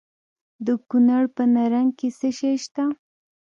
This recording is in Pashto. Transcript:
د کونړ په نرنګ کې څه شی شته؟